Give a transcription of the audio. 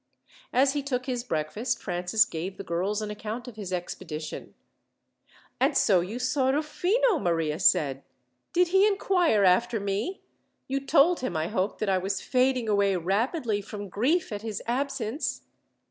As he took his breakfast, Francis gave the girls an account of his expedition. "And so, you saw Rufino!" Maria said. "Did he inquire after me? You told him, I hope, that I was fading away rapidly from grief at his absence."